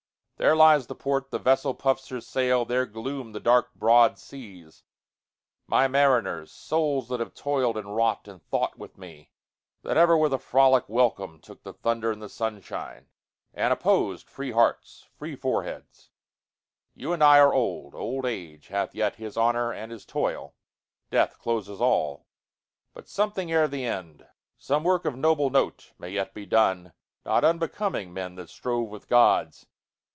There lies the port; the vessel puffs her sail:There gloom the dark broad seas. My mariners, Souls' that have toil'd, and wrought, and thought with me—That ever with a frolic welcome tookThe thunder and the sunshine, and oppos'dFree hearts, free foreheads—you and I are old; Old age hath yet his honor and his toil; Death closes all; but something ere the end, Some work of noble note, may yet be done, Not unbecoming men that strove with Gods.